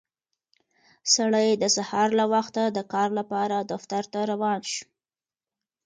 سړی د سهار له وخته د کار لپاره دفتر ته روان شو